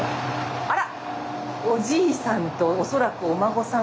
あら！